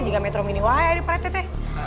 jangan metrom ini woy pak rete